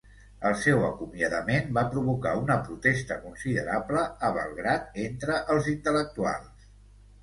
El seu acomiadament va provocar una protesta considerable a Belgrad entre els intel·lectuals.